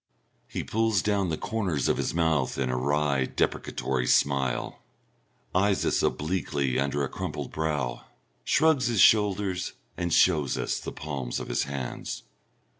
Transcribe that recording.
He pulls down the corners of his mouth in a wry deprecatory smile, eyes us obliquely under a crumpled brow, shrugs his shoulders, and shows us the palms of his hands.